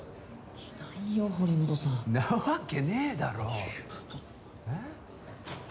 いないよ堀本さんなわけねえだろいやいやえっ？